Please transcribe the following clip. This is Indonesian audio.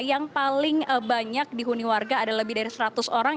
yang paling banyak dihuni warga ada lebih dari seratus orang